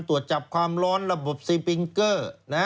ตรวจจับความร้อนระบบสปิงเกอร์